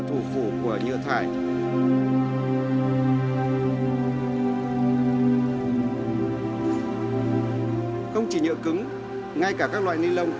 do không phải người dùng